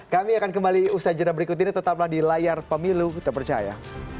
kami akan kembali usai jadwal berikut ini tetaplah di layar pemilu terpercaya